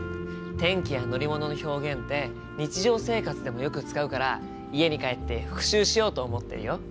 天気や乗り物の表現って日常生活でもよく使うから家に帰って復習しようと思ってるよ。